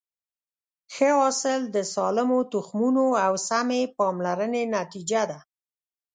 ښه حاصل د سالمو تخمونو او سمې پاملرنې نتیجه ده.